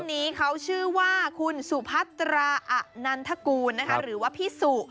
ท่านนี้เขาชื่อว่าคุณสุภัตรานันทกูลหรือว่าพี่สุ